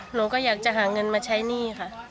หนูก็อยากจะหาเงินมาใช้หนี้ค่ะ